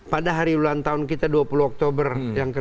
pada hari ulang tahun kita dua puluh oktober yang ke lima puluh tiga